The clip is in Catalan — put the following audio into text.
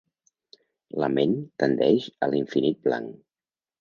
La ment tendeix a l'infinit blanc.